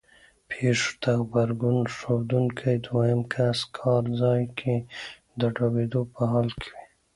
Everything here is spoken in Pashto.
پېښو ته غبرګون ښودونکی دویم کس کار ځای کې د ډوبېدو په حال وي.